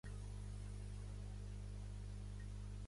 Va ser un mal per part del nou jutge.